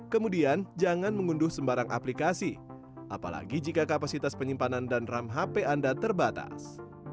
kemudian jangan mengunduh sembarang aplikasi apalagi jika kapasitas penyimpanan dan ram hp anda terbatas